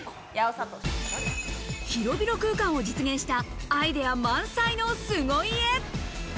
広々空間を実現したアイデア満載の凄家。